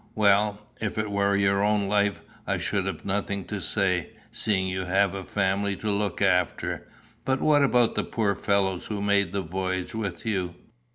"Well, if it were your own life I should have nothing to say, seeing you have a family to look after; but what about the poor fellows who made the voyage with you?